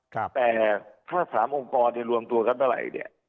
แต่ถ้า๓องค์กรรวมตัวกันเมื่อไหร่เนี่ย